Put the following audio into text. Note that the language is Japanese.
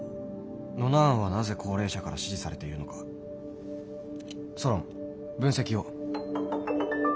ノナ案はなぜ高齢者から支持されているのかソロン分析を。